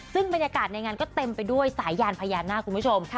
ซึ่งบรรยากาศในงานก็เต็มไปด้วยสายยานพญานาคคุณผู้ชม